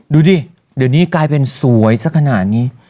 ดูดิเดิมนี่เป็นสวยสักขณะนี้